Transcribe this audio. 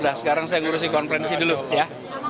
udah sekarang saya ngurusin konferensi dulu ya